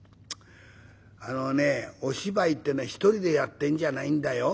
あのねお芝居ってね１人でやってんじゃないんだよ。